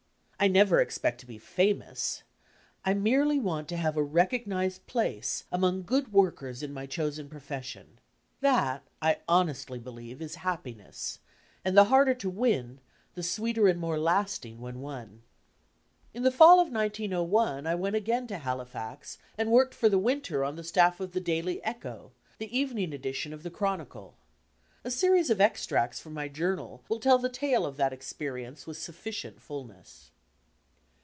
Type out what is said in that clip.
1 never expect to be famous. I merely want to have a recog nized place among good workers in my chosen profession. That, I honestly believe, is happiness, and the harder to win the sweeter and more lasting when won. In the fall of 1901 I went again to Halifax and worked for the winter on the staff of the Daily Echo, the evening edition of the Chronicle. A series of extracts from my journal will tell the tale of that experience with sufficient fulness.